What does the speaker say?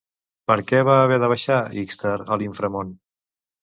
Per què va haver de baixar Ixtar a l'inframon?